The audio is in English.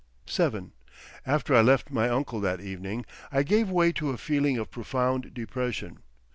VII After I left my uncle that evening I gave way to a feeling of profound depression.